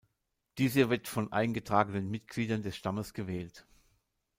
Dieser wird von eingetragenen Mitgliedern des Stammes gewählt.